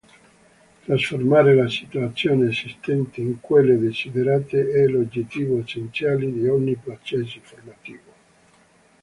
Trasformare le situazioni esistenti in quelle desiderate è l'obiettivo essenziale di ogni processo formativo.